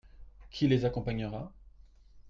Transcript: Qui les accompagnera ?